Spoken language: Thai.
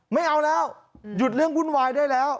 ไม่เอาแล้วหยุดเรื่องวุ่นวายได้แล้ว